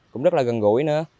cũng rất là gần gũi nữa